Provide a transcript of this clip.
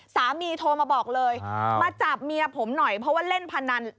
โทรมาบอกเลยมาจับเมียผมหน่อยเพราะว่าเล่นพนัน